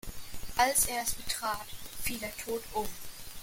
Als er es betrat, fiel er tot um.